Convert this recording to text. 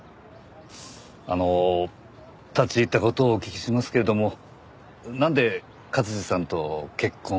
あの立ち入った事をお聞きしますけれどもなんで勝治さんと結婚を？